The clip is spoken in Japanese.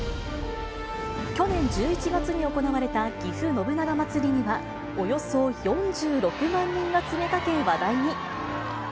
去年１１月に行われたぎふ信長まつりには、およそ４６万人が詰めかけ、話題に。